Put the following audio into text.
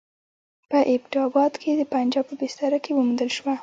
په ایبټ اباد کې د پنجاب په بستره کې وموندل شوه.